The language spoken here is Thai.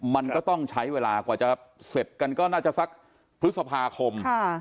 มันก็ต้องใช้เวลากว่าจะเสร็จกันก็น่าจะสักพฤษภาคม